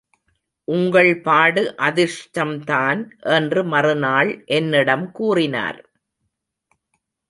உங்கள் பாடு அதிர்ஷ்டம்தான் என்று மறுநாள் என்னிடம் கூறினார்.